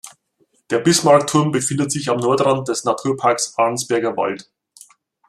Der Bismarckturm befindet sich am Nordrand des Naturparks Arnsberger Wald.